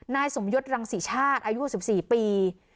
นายสมยดรังศิชาษฐ์อายุสิบสี่ปี